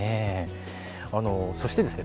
そしてですね